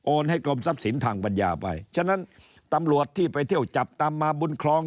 ให้กรมทรัพย์สินทางปัญญาไปฉะนั้นตำรวจที่ไปเที่ยวจับตามมาบุญคลอง